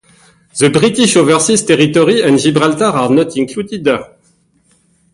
The British Overseas Territories and Gibraltar are not included.